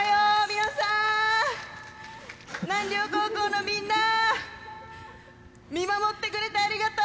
南稜高校のみんな、見守ってくれてありがとう。